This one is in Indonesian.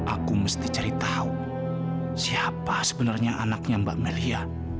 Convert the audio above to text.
aku mesti cari tahu siapa sebenarnya anaknya mbak melia